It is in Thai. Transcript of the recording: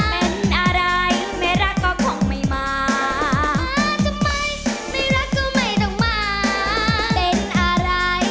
เป็นอะไรไม่รักก็คงไม่มา